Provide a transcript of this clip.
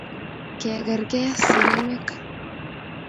kerke seremek